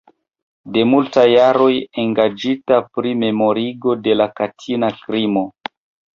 De multaj jaroj engaĝita pri memorigo de la katina krimo.